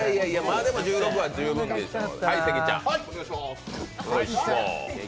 でも１６は十分でしょう。